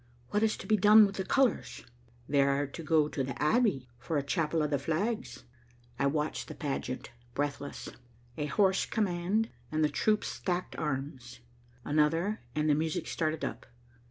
"What is to be done with the colors?" "They are to go to the Abbey for a chapel of the flags." I watched the pageant, breathless. A hoarse command and the troops stacked arms; another and the music started up.